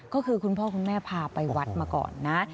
ก็คือคุณพ่อคุณแม่พาไปวัดมาก่อนนะ